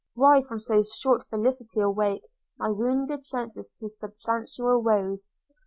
Why, from so short felicity awake My wounded senses to substantial woes?